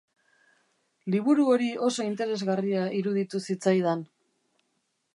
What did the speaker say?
Liburu hori oso interesgarria iruditu zitzaidan.